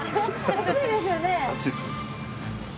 熱いです。